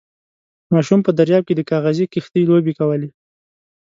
ماشوم په درياب کې د کاغذي کښتۍ لوبې کولې.